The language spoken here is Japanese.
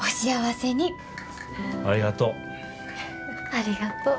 ありがとう。